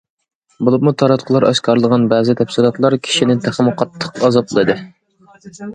بولۇپمۇ تاراتقۇلار ئاشكارىلىغان بەزى تەپسىلاتلار كىشىنى تېخىمۇ قاتتىق ئازابلىدى.